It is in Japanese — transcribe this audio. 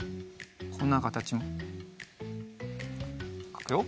こんなかたちもかくよ。